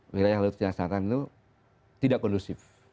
wilayah laut cina selatan itu tidak kondusif